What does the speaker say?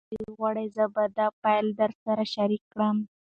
که تاسي وغواړئ زه به دا فایل درسره شریک کړم.